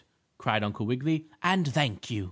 cried Uncle Wiggily, "and thank you."